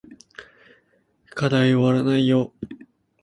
課題おわらないよ